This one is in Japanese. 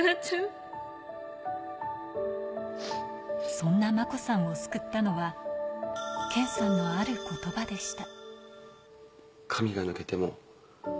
そんな真子さんを救ったのは謙さんのある言葉でした。